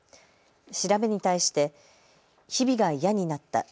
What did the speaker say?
調べに対して日々が嫌になった。